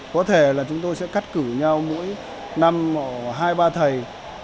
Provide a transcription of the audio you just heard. có thể là chúng tôi sẽ cắt cử nhau mỗi năm hai ba thầy